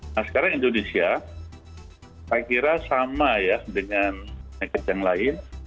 nah sekarang indonesia saya kira sama ya dengan negara yang lain